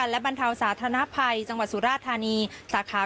แล้วก็ตรงนี้ที่